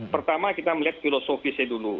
pertama kita melihat filosofisnya dulu